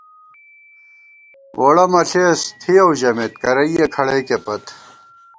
ووڑہ مہ ݪېس تھِیَؤ ژمېت کرَئییَہ کھڑئیکےپت